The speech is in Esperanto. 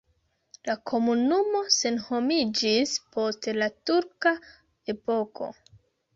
La komunumo senhomiĝis post la turka epoko.